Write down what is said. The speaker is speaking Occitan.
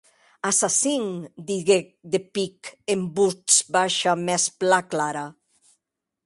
Assassin, didec de pic, en votz baisha mès plan clara.